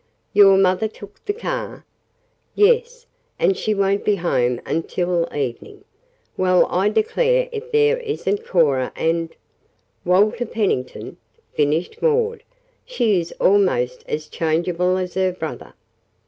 "Your mother took the car?" "Yes; and she won't be home until evening. Well, I declare if there isn't Cora and " "Walter Pennington," finished Maud. "She is almost as changeable as her brother."